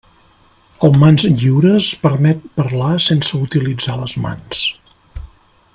El mans lliures permet parlar sense utilitzar les mans.